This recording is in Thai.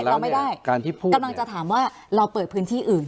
ไม่ได้เราไม่ได้การที่พูดกำลังจะถามว่าเราเปิดพื้นที่อื่น